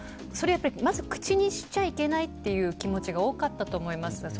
まず、口にしちゃいけないという気持ちが多かったと思います。